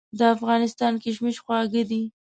د افغانستان کشمش خواږه دي.